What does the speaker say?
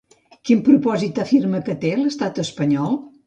Quin propòsit afirma que té l'estat espanyol?